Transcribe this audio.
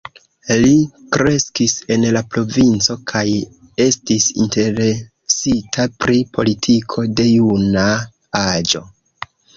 Li kreskis en la provinco, kaj estis interesita pri politiko de juna aĝo.